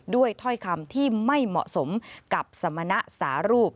ถ้อยคำที่ไม่เหมาะสมกับสมณะสารูป